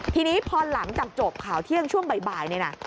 ทีนี้พอหลังจากจบข่าวเที่ยงช่วงบ่ายนี่นะ